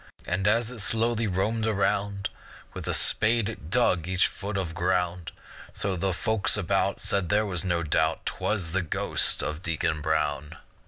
And as it slowly roamed around, With a spade it dug each foot of ground; So the folks about Said there was no doubt Twas the ghost of Deacon Brown.